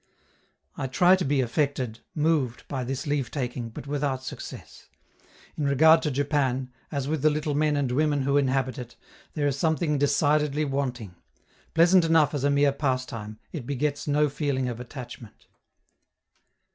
I try to be affected, moved, by this leave taking, but without success. In regard to Japan, as with the little men and women who inhabit it, there is something decidedly wanting; pleasant enough as a mere pastime, it begets no feeling of attachment.